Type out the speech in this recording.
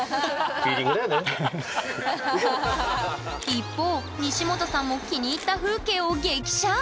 一方西本さんも気に入った風景を激写！